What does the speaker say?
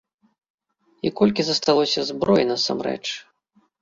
І колькі засталося зброі насамрэч?